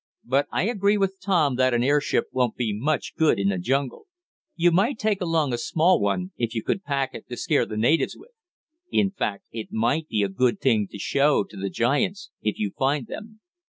But I agree with Tom that an airship won't be much good in the jungle. You might take along a small one, if you could pack it, to scare the natives with. In fact it might be a good thing to show to the giants, if you find them."